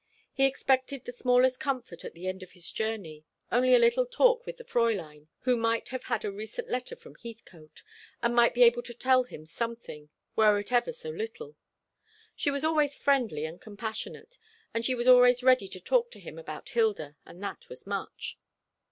He expected the smallest comfort at the end of his journey; only a little talk with the Fräulein, who might have had a recent letter from Heathcote, and might be able to tell him something, were it ever so little. She was always friendly and compassionate; and she was always ready to talk to him about Hilda, and that was much.